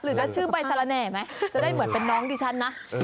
หรือจะชื่อใบสารแหน่ไหมจะได้เหมือนเป็นน้องดิฉันนะ